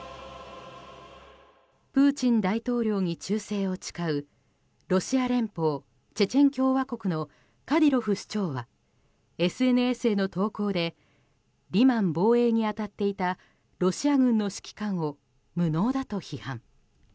プーチン大統領に忠誠を誓うロシア連邦チェチェン共和国のカディロフ首長はＳＮＳへの投稿でリマン防衛に当たっていたロシア軍の指揮官を無能だと批判。